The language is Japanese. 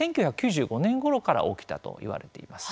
１９９５年ごろから起きたといわれています。